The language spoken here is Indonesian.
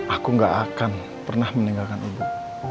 aku gak akan pernah meninggalkan ibu